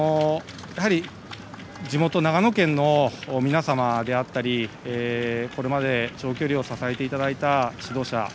地元・長野県の皆様であったりこれまで長距離を支えていただいた指導者